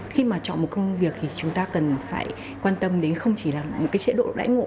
khi mà chọn một công việc thì chúng ta cần phải quan tâm đến không chỉ là một cái chế độ đãi ngộ